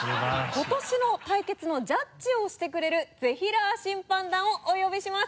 今年の対決のジャッジをしてくれるぜひらー審判団をお呼びします。